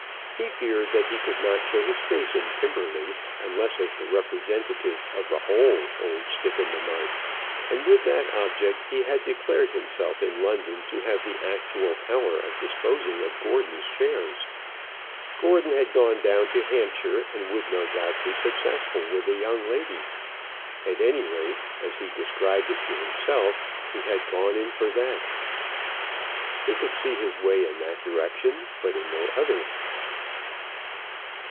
He feared that he could not show his face in Kimberley, unless as the representative of the whole old Stick in the Mud. And with that object he had declared himself in London to have the actual power of disposing of Gordon's shares. Gordon had gone down to Hampshire, and would no doubt be successful with the young lady. At any rate, as he described it to himself, he had "gone in for that." He could see his way in that direction, but in no other.